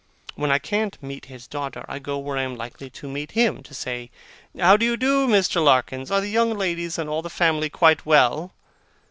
When I can't meet his daughter, I go where I am likely to meet him. To say 'How do you do, Mr. Larkins? Are the young ladies and all the family quite well?